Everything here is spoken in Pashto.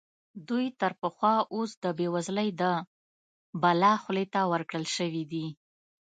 دوی تر پخوا اوس د بېوزلۍ د بلا خولې ته ورکړل شوي دي.